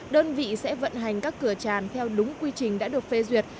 đơn vị sẽ vận hành các cửa tràn theo đúng quy trình đã được phê duyệt